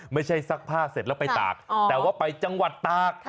ซักผ้าเสร็จแล้วไปตากแต่ว่าไปจังหวัดตาก